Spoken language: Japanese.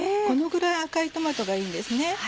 このぐらい赤いトマトがいいんですね。